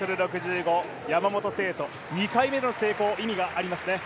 山本聖途、２回目の成功、意味がありますね。